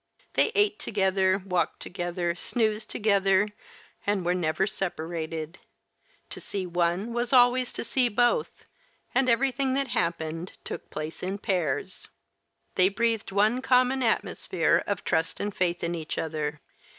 They ate together, walked together, snoozed together, and were never separated; to see one was always to see both, and everything that happened took place in pairs. They breathed one common atmosphere of trust and faith in each other.